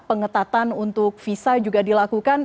pengetatan untuk visa juga dilakukan